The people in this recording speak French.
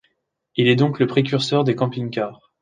Il est donc le précurseur des camping-car.